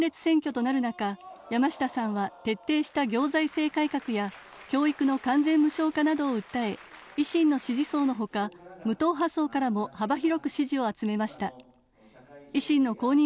自民党が候補者の一本化に失敗し、保守分裂選挙となる中、山下さんは徹底した行財政改革や教育の完全無償化などを訴え、維新の支持層のほか、無党派層からも幅広く支持を集めました。